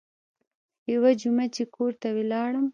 يوه جمعه چې کور ته ولاړم.